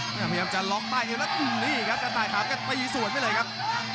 พยายามจะล็อกในอยู่แล้วนี่ครับกระต่ายขากันตีสวนไปเลยครับ